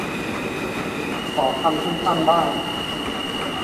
ขอคำสั้นสั้นบ้าง